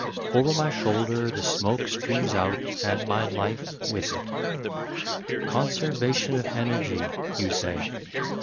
Over my shoulder the smoke streams out And my life with it. "Conservation of energy," you say.